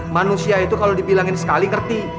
manusia itu kalau dibilangin sekali ngerti